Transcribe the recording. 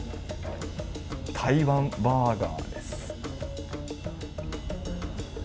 台湾バーガーです。